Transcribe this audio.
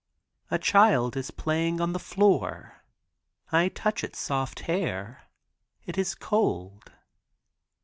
A child is playing on the floor. I touch its soft hair. It is cold.